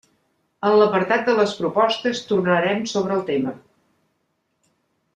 En l'apartat de les propostes tornarem sobre el tema.